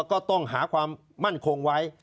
ก็ต้องหาความมั่นคงไว้